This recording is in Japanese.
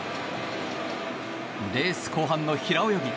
レース後半の平泳ぎ